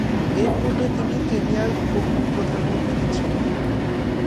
এর পূর্বে তিনি কেনিয়ার উপ-প্রধানমন্ত্রী ছিলেন।